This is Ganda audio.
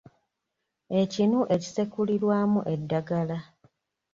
Ekinu ekisekulirwamu eddagala.